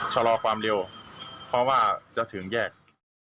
ชะลอความเร็วเพราะว่าจะถึงแยก